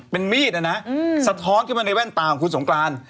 เป็นมีดนะนะสะท้อนขึ้นมาในแว่นตาของคุณสงกราน